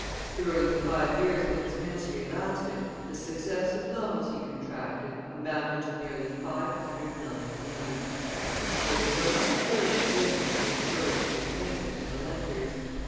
During the five years that his ministry lasted, the successive loans he contracted amounted to nearly five hundred million livres. There was no security given to insure its repayment to the lenders.